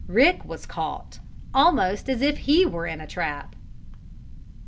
Rick was caught, almost as if he were in a trap.